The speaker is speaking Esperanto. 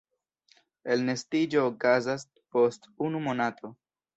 Elnestiĝo okazas post unu monato.